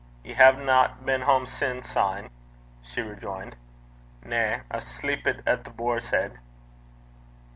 'Ye haena been hame sin' syne?' she rejoined. 'Na. I sleepit at The Boar's Heid.'